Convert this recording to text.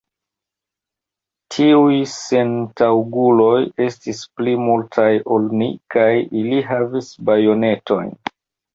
Tiuj sentaŭguloj estis pli multaj ol ni, kaj ili havis bajonetojn.